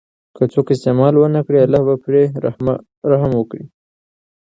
که څوک استعمال ونکړي، الله به پرې رحم وکړي.